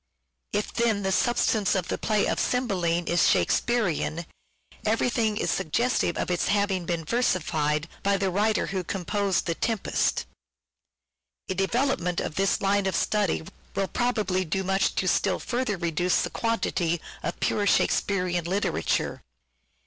If, then, the substance of the play of " Cymbeline " is Shakespearean, everything is suggestive of its having "THE TEMPEST* 529 been versified by the writer who composed " The Tempest." A development of this line of study will probably do much to still further reduce the quantity of pure Shakespearean literature.